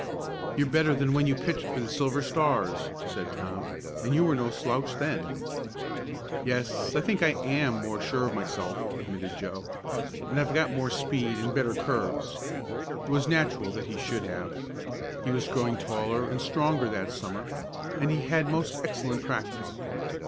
"You're better than when you pitched for the Silver Stars," said Tom, "and you were no slouch then." "Yes, I think I am more sure of myself," admitted Joe. "And I've got more speed and better curves." It was natural that he should have. He was growing taller and stronger that Summer, and he had most excellent practice.